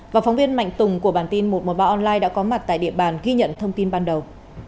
và phóng viên mạnh tùng của bản tin một trăm một mươi ba online đã có mặt tại địa bàn ghi nhận thông tin ban đầu